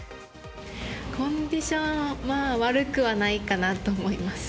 コンディションはまあ、悪くはないかなと思います。